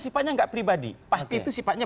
sifatnya nggak pribadi pasti itu sifatnya